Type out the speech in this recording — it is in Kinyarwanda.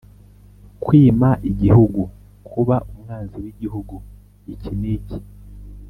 kwima igihugu: kuba umwanzi w’igihugu iki n’iki